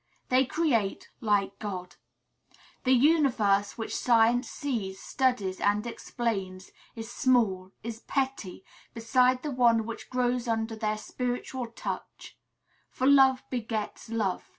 They create, like God. The universe which science sees, studies, and explains, is small, is petty, beside the one which grows under their spiritual touch; for love begets love.